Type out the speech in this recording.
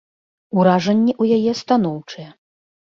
Уражанні ў яе станоўчыя.